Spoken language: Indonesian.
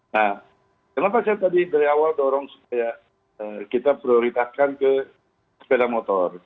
nah kenapa saya tadi dari awal dorong supaya kita prioritaskan ke sepeda motor